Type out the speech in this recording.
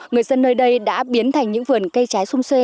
người dân nơi đây đã biến thành những vườn cây trái sung xuê